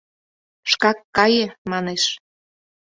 — Шкак кае, манеш.